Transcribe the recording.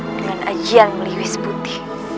dengan ajian melihuis putih